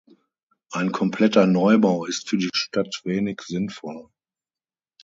Ein kompletter Neubau ist für die Stadt wenig sinnvoll.